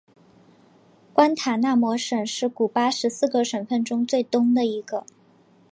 关塔那摩省是古巴十四个省份中最东的一个。